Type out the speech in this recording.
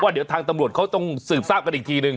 เดี๋ยวทางตำรวจเขาต้องสืบทราบกันอีกทีนึง